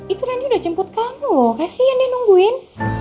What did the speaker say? itu rani udah jemput kamu loh kasihan dia nungguin